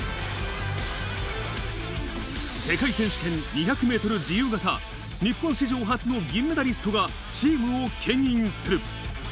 世界選手権２００メートル自由形、日本史上初の銀メダリストがチームをけん引する。